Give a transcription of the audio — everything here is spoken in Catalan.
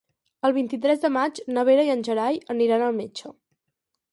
El vint-i-tres de maig na Vera i en Gerai aniran al metge.